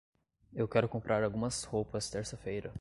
Eu quero comprar algumas roupas terça-feira.